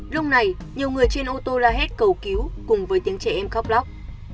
lúc này nhiều người trên ô tô la hét cầu cứu cùng với tiếng trẻ em khóc lóc